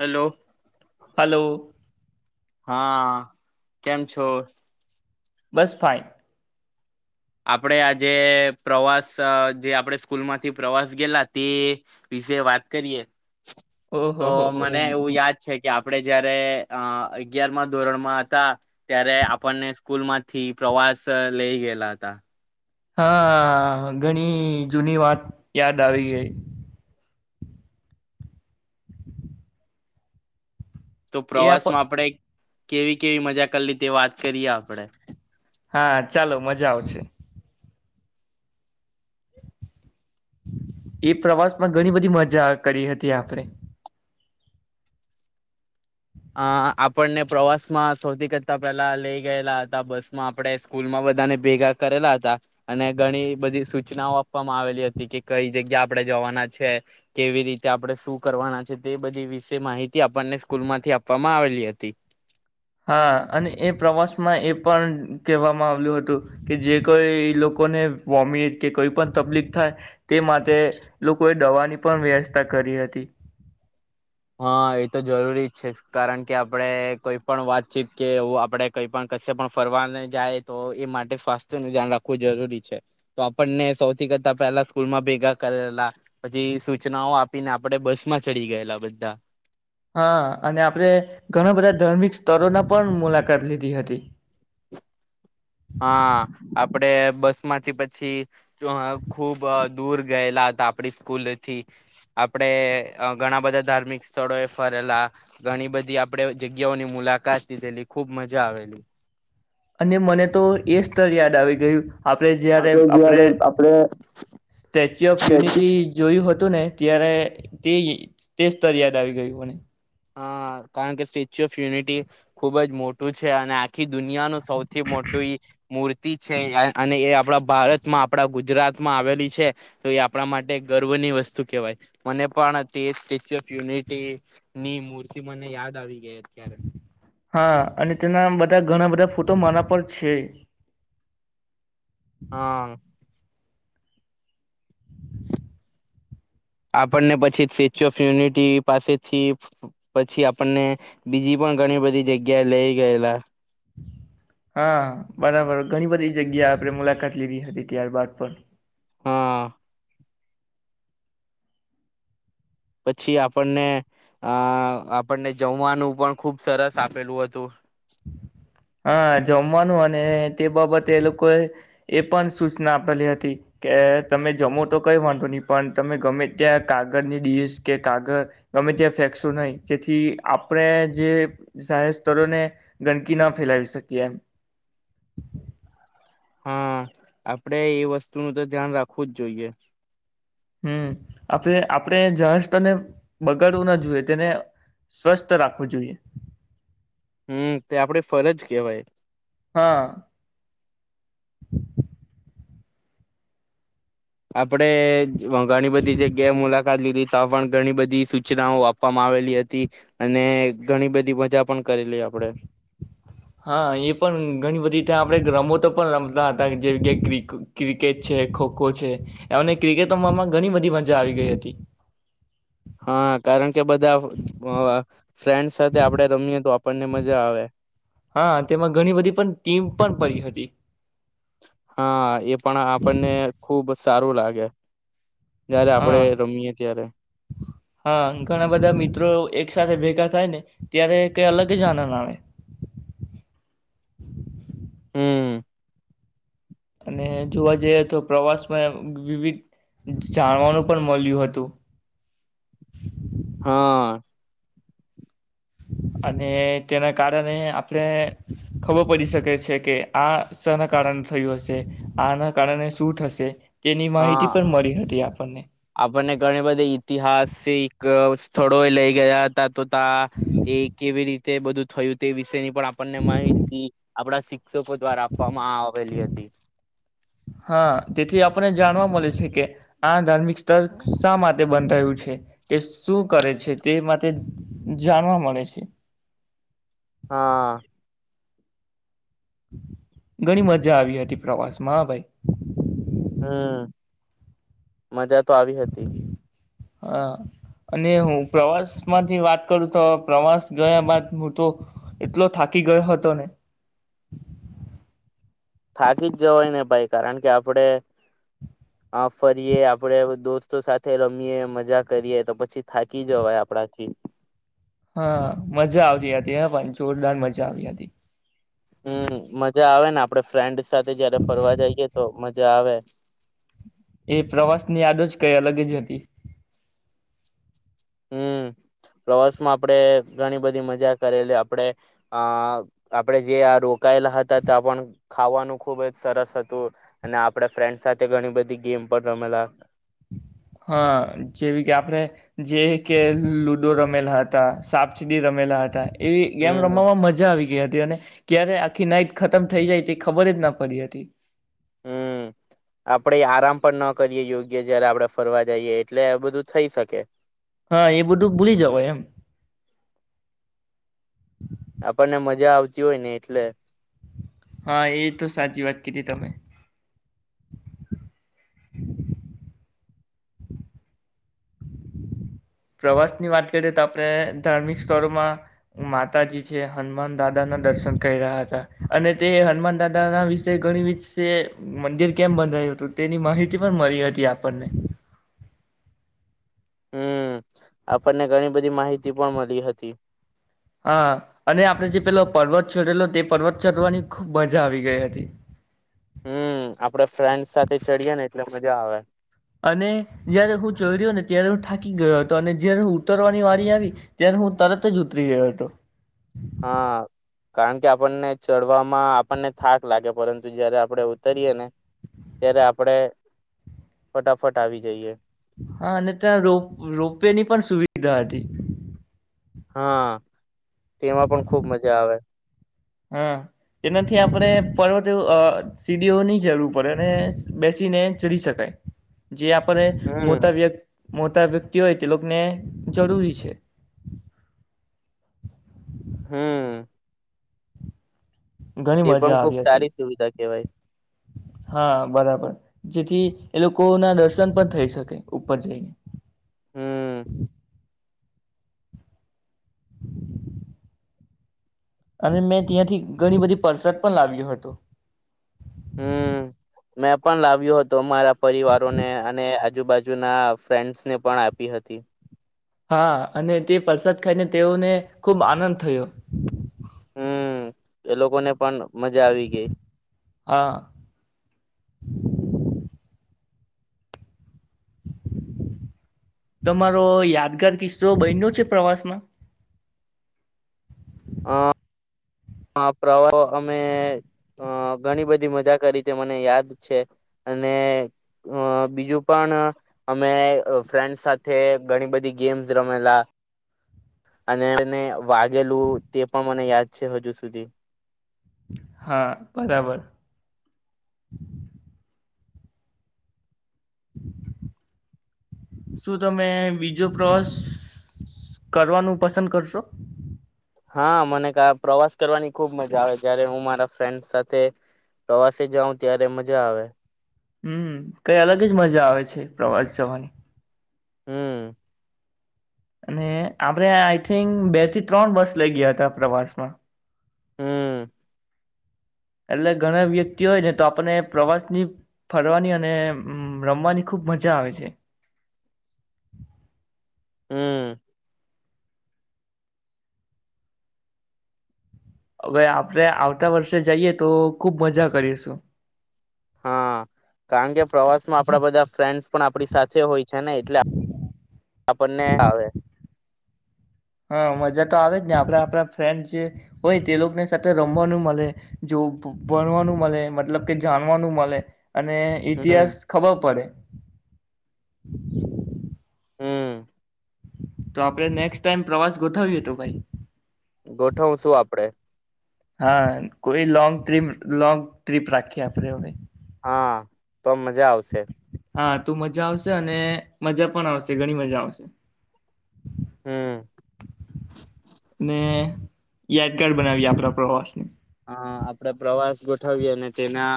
Hello hello હા કેમ છો બસ ફઇન આપણેે આજે પ્રવાસ જે આપણે સ્કૂલ માંથી પ્રવાસ ગેલા તે વિશે વાત કરીએ. ઓહો તો હો હો મને એવું યાદ છે કે આપડે જયારે અ અગિયાર મા ધોરણમાં હતા ત્યારે આપણને સ્કૂલ માંથી પ્રવાસ લઇ ગયેલા હતા. [inaudible] હા ઘણી જૂની વાત યાદ આવી ગઈ. તો એ આપ પ્રવાસ માં આપણે. કેવી કેવી મજા કરલી તે વાત કરીએ આપડે હા ચાલો મજા આવશે. એ પ્રવાસ માં ઘણી બધી મજા કરી હતી આપણે. અ આપણને પ્રવાસમાં સૌથી કરતા પહેલા લઈ ગયેલા હતા બસમાં આપણે સ્કૂલમાં બધાને ભેગા કરેલા હતા અને ઘણી બધી સૂચનાઓ આપવામાં આવેલી હતી કે કઈ જગ્યા આપણે જવાના છે કેવી રીતે આપણે શું કરવાના છે તે બધી વિશે માહિતી આપણને સ્કૂલ માંથી આપ આપવામાં આવેલી હતી. હા અને એ પ્રવાસમાં એ પણ કહેવામાં આવલ્યું હતું કે જે કોઈ લોકોને વોમિટ કે કોઈ પણ તકલીફ થાય તે માટે લોકોએ દવાની પણ વ્યવસ્થા કરી હતી હા એ તો જરૂરી જ છે કારણ કે આપડે કોઈ પણ વાતચીત કે એું આપણે કઈ પણ કશે પણ ફરવાને જાય તો એ માટે સ્વાસ્થ્ય ન ધ્યાન રાખવું જરૂરી છે તો આપણને સૌથી કરતા પહેલા સ્કૂલમાં ભેગા કરેલા પછી સૂચનાઓ આપીને આપણે બસ માં ચડી ગયેલા [inaudible] હા અને આપડે ઘણા બધા ધાર્મિક સ્થળના પણ મુલાકાત લીધી હતી. હા આપડે બસ માંથી પછી ખૂબ દૂર ગયેલા હતા આપડી સ્કૂલથી આપડે ઘણા બધા ધાર્મિક સ્થળો એ ફરેલા ઘણી બધી આપડે જગ્યાઓની મુલાકાત લીધેલી ખૂબ મજા આવેલી અને મને તો એ સ્તર યાદ આવી ગયું આપડે જયારે આપડે સ્ટેચ્યુ ઓફ યુનિટી જોયું હતું તું ને ત્યારે તે તે સ્તર યાદ આવી ગયું મને હા કારણ કે સ્ટેચ્યુ ઓફ યુનિટી ખુબ જ મોટું છે અને આખી દુનિયાનું સૌથી મોટું ઈ મૂર્તિ છે અને એ આપણા ભારતમાં આપણા ગુજરાતમાં આવેલી છે તો એ આપણા માટે ગર્વની વસ્તુ કેહેવાય મને પણ તે સ્ટેચ્યુ ઓફ યુનિટી ની મૂર્તિ મને યાદ આવી ગય અત્યારે હા અને તેના બધા ઘણા બધા ફોટો મારા પર છે હા આપણને પછી સ્ટેચ્યુ ઓફ યુનિટી પાસેથી પછી આપણને બીજી પણ ઘણી બધી જગ્યાએ લઇ ગયેલા હા બરાબર ઘણી બધી જગ્યા આપણે મુલાકાત લીધી હતી ત્યારબાદ પણ હા પછી આપણને અ આપણને જમવાનું પણ ખુબ સરસ આપેલું હતું હા જમવાનું અને એ તે બાબતે એ લોકોએ એ પણ સૂચના આપેલી હતી કે તમે જમો તો કઈ વાંધો નહી પણ તમે ગમે ત્યાં કાગળની ડીશ કે કાગળ ગમે ત્યાં ફેંકશો નહી જેથી આપણે જે જાહેર સ્થરોને ગંદકી ના ફેલાવી શકીએ એમ હા આપડે એ વસ્તુનો તો ધ્યાન રાખવું જ જોઈએ હમ આપણે આપણે જાહેર સ્થળને બગાડવું ના જોઈએ તેને સ્વસ્થ રાખવું જોઈએ હમ તે આપડે ફરજ કેહેવાય હા આપડે ઘણી બધી જગ્યાએ મુલા કાત લીધી ત્યાં પણ ઘણી બધી સૂચનાઓ આપવામાં આવેલી હતી અને ઘણી બધી મજા પણ કરેલી આપડે હા એ પણ ઘણી બધી ત્યા આપણે રમો તો પણ રમતા હતા જેવી તે ક્રિ ક્રિકેટ છે ખોખો છે એમને ક્રિકેટમાં ઘણી બધી મજા આવી ગઈ હતી હા કારણ કે બધા અ ફ્રેન્ડ સાથે આપડે રમીએ તો આપણને મજા આવે હા તેમાં ઘણી બધી પણ ટીમ પણ પડી હતી હા એ પણ આપણને ખુબ સારું લાગે જયારે આપડે હા રમીએ ત્યારે હા ઘણા બધા મિત્રો એક સાથે ભેગા થાય ને ત્યારે કે અલગ જ આનંદ આવે હમ અને જોવા જઈએ તો પ્રવાસમાં વિવિધ જાણવાનું પણ મલ્યું હતું હા અને તેના કારણે આપણે ખબર પડી શકે છે કે આ શેના કારણે થયું હશે આના કારણે શું થશે તેની માહિતી હા પણ મળી હતી આપણને આપણને ઘણી બધી ઇતિહાસ એક થોડો એ લઈ ગયા હતા તો તા એ કેવી રીતે તે બધું થયું તે વિશેની પણ આપણને માહિતી. આપણા શિક શિકષકો દ્વારા આપવામાં આવેલી હતી. આપને જાણવા મળે છે કે આ ધાર્મિક સ્થળ શા માટે બન રહ્યું છે તે શું કરે છે તે માટે જાણવા મળે છે. હા. ઘણી મજા આવી હતી પ્રવાસમાં ભાઈ. હમ મજા તો આવી હતી. હા અને હું પ્રવાસ માંથી વાત કરું તો પ્રવાસ ગયા બાદ હું તો એટલો થાકી ગયો હતો ને. થાકી જ જવાય ને ભાઈ કારણ કે આપડે આ ફરીયએ આપડે દોસ્તો સાથે રમીએ મજા કરીએ તો પછી થાકી જવાય આપણાથી. હા મજા આવતી હતી હ પણ જોરદાર મજા આવી હતી. આપ ફ્રેન્ડ સાથે જયારે ફરવા જઈએ તો મજા આવે. એ પ્રવાસ ની યાદ જ કઈ અલગે જ હતી. હમ પ્રવાસમાં આપણેે ઘણી બધી મજા કરેલી આપડે અ આપડે જે આ રોકાયેલા હતા ત્યા પણ ખાવાનું ખુબ જ સરસ હતું અને આપણે ફ્રેન્ડ સાથે ઘણી બધી ગેમ પર રમેલા. હા જેવી કે આપણે જે કે લુડો રમેલા હતા સાપચીડી રમેલા હતા. એવી ગેમ હમ રમવામાં મજા આવી ગઈ હતા. અને ક્યારે આખી નાઈટ ખતમ થઈ જાય તે ખબર જ ના પડી હતી. હમ આપડે આરામ પણ ન કરીએે યોગ્ય જયારે આપડણે ફરવા જઈએ એટલે આ બધું થઈ શકે. હા એ બધું ભૂલી જાવ એમ. આપણને મજા આવતી હોય ને એટલે. હા એ તો સાચી વાત કરી તમે. પ્રવાસની વાત કરીએ તો આપણે ધાર્મિક સ્થળોમાં માતાજી છે હનુમાન દાદાના દર્શન કરી રહા હતા અને તે હનુમાન દાદાના વિશે ઘણી વિશે મંદિર કેમ બંધયું હતું તેની માહિતી પણ મળી હતી આપણને. હમ આપણને ઘણી બધી માહિતી પણ મળી હતી. હા અને આપડણે જે પેલો પર્વત ચોડેલો તે પર્વત ચઢવાની ખૂબ મજા આવી ગઈ હતી. હમ આપડે ફ્રેન્ડસ સાથે ચડીએે ને એટલે મજા આવે. અને જય્યારે હું ચોર્યો ને ત્યારે હું થાકી ગયો હતો અને જય્યારે હું ઉતરવાની વારી આવી ત્યારે હું તરત જ ઉતરી ગયો હતો. હા કારણ કે આપણને ચડવામાં આપણને થાક લાગે પરંતુ જયારે આપણે ઉતરીએ ને ત્યારે આપડે ફટાફટ આવી જઈએ. હા અને ત્યાં રો રોપવે ની પણ સુવિધા હતી. હા તેમાં પણ ખુબ મજા આવે. હા એનાથી આપણે પર્વત સીડીઓની જરૂર પડે અને બેસીને ચડી શકાય. જે આપણે હમ મોટા વ્યક્તિ મોટા વ્યક્તિ હોય તે લોકોને જરૂરી છે. હમ્મ. ઘણી એ મજા પણ ખુક આવી હતી સારી સુવિધા કેવાય. હા બરાબર જેથી એ લોકો ના દર્શન પણ થઈ શકે ઉપર જઈને. હમ્મ. અને મેં ત્યાંથી ઘણી બધી પરસાદ પણ લાવ્યો હતું. હમ મેં પણ લાવ્યું હતું અમારા પરિવારોને અને આજુબાજુના ફ્રેન્ડસને પણ આપી હતી. હા અને તે પ્રસાદ ખાઈને તેઓને ખુબ આનંદ થયો. હમ એ લોકો ને પણ. મજા આવી ગઈ. હા [inaudible] તમારો યાદગાર કિસ્સો બન્યો છે પ્રવાસમાં? અ અ પ્રવ અમે અ ઘણી બધી મજા કરી તે મને યાદ છે. અને અ બીજું પણ અમે ફ્રેન્ડ સાથે ઘણી બધી ગેમ્સ રમેલા. અને વાગેલું તે પણ મને યાદ છે હજુ સુ સુધી હા બરાબર શું તમે બીજો પ્રવાસ કરવાનું પસંદ કરશો? હા મને ક પ્રવાસ કરવાની ખુબ મજા આવે. જયારે હું મારા ફ્રેન્ડ સાથે પ્રવાસે જાઉં ત્યારે મજા આવે. હમ કાંઈ અલગ જ મજા આવે છે પ્રવાસ જવાની હમ અને આપણે આઈ થિંક બે થી ત્રણ બસ લઇ ગયાતા પ્રવાસમાં હમ એટલે ઘણા વ્યક્તિ હોય ને તો આપણને પ્રવાસની ફરવાની અને રમવાની ખૂબ મજા આવે છે. હમ હવે આપણે આવતા વર્ષે જઈએ તો ખુબ મજા કરીશું. હા કારણ કે પ્રવાસમાં આપણા બધાં ફ્રેન્ડસ પણ આપણી સાથે હોય છે ને એટલે આપણને આવે હા મજા તો આવે જ ને આપણા આપણા ફ્રેન્ડ જે હોય તે લોકોની સાથે રમવાનું મલે, જો ભણવાનું મલે મતલબ કે જાણવાનું મલે. અને હમ ઇતિહાસ ખબર પડે [inaudible] હમ તો આપણે નેક્સ્ટ ટાઈમ પ્રવાસ ગોઠવ્યું તો ભાઈ ગોઠવશું આપણે હા કોઈ લોંગ ટ્રિમ લોંગ ટ્રીપ રાખીએ આપણે હવે હા તો મજા આવશે. હા તું મજા આવશે અને મજા પણ આવશે ઘણી મજા આવશે. હમ ને યાદગાર બનાવીએ આપણા પ્રવાસ ને હહ આપણે પ્રવાસ ગોઠવીએ અને તેના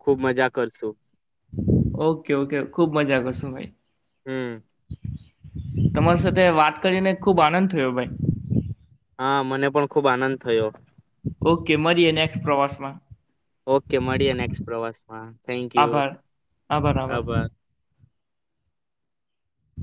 ખુબ મજા કરશું. ઓકે ઓકે ખુબ મજા કરશું ભાઈ હમ તમારી સાથે વાત કરીને ખુબ આનંદ થયો ભાઈ હા મને પણ ખુબ આનંદ થયો. ઓકે મળીએ નેક્સ્ટ પ્રવાસમાં. ઓકે મળીએ નેક્સ્ટ પ્રવાસમાં થેન્ક યુ આભાર આભાર આભાર